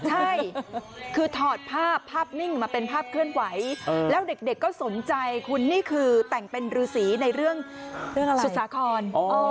ใช่คือถอดภาพภาพนิ่งมาเป็นภาพเคลื่อนไหวแล้วเด็กก็สนใจคุณนี่คือแต่งเป็นรือสีในเรื่องอะไรสุสาคร